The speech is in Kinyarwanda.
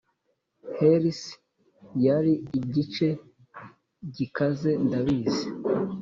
hers yari igice gikaze, ndabizi;